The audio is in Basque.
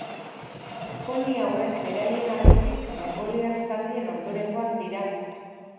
Poni hauek beraien aldetik mongoliar zaldien ondorengoak dira.